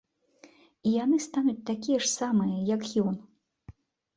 І яны стануць такія ж самыя, як ён.